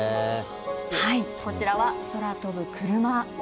はいこちらは空飛ぶクルマ。